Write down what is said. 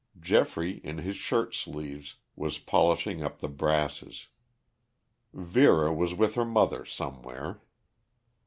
Geoffrey, in his shirt sleeves, was polishing up the brasses. Vera was with her mother somewhere.